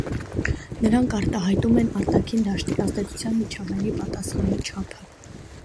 Նրանք արտահայտում են արտաքին դաշտի ազդեցության միջավայրի պատասխանի չափը։